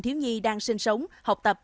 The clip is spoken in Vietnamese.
thiếu nhi đang sinh sống học tập